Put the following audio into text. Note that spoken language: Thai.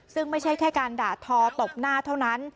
ซึ่งไม่ใช่แค่การด่าทอตบหน้าเท่านั้น